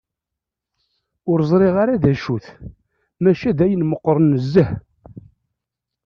Ur ẓriɣ ara d acu-t, maca d ayen meqqren nezzeh.